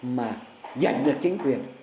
mà nhận được chính quyền